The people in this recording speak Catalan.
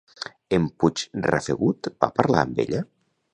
En Puigrafegut va parlar amb ella?